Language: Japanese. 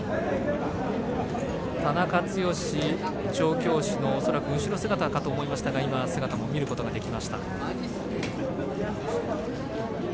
田中剛調教師の恐らく後ろ姿かと思いますが見ることができます。